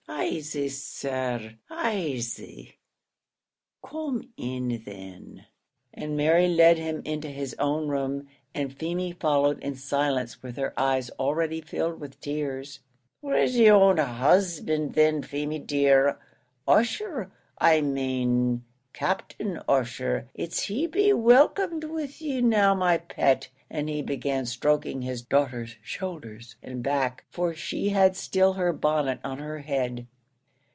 "Asy, sir, asy; come in thin," and Mary led him into his own room, and Feemy followed in silence with her eyes already filled with tears. "Where's yer own husband thin, Feemy dear? Ussher, I main Captain Ussher it's he'd be welcome with you now, my pet," and he began stroking his daughter's shoulders and back, for she had still her bonnet on her head.